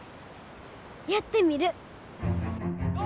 やってみる。